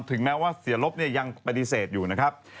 ถึงแม้ว่าเสียลบเนี่ยยังปฏิเสธอยู่นะครับ